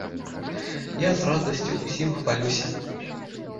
Я з радасці ўсім хвалюся.